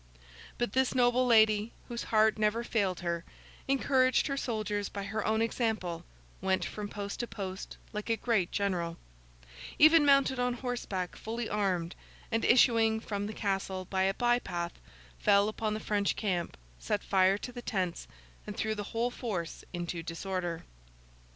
But this noble lady, whose heart never failed her, encouraged her soldiers by her own example; went from post to post like a great general; even mounted on horseback fully armed, and, issuing from the castle by a by path, fell upon the French camp, set fire to the tents, and threw the whole force into disorder.